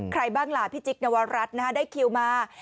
ใครบ้างล่ะพี่จิ๊กนวรัฐได้คิวมา